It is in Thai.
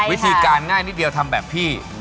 วิธีการง่ายนิดเดียวทำแบบพี่